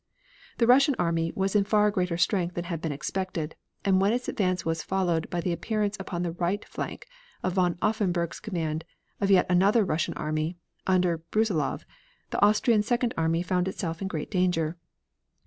The Russian army was in far greater strength than had been expected, and when its advance was followed by the appearance upon the right flank of von Offenberg's command, of yet another Russian army, under Brussilov, the Austrian second army found itself in great danger.